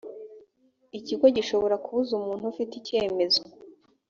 ikigo gishobora kubuza umuntu ufite icyemezo